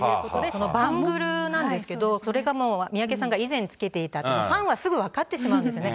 このバングルなんですけれども、それがもう、三宅さんが以前、つけていたと、ファンはすぐ分かってしまうんですね。